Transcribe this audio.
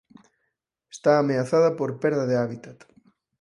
Está ameazada por perda de hábitat.